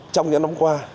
trong những năm qua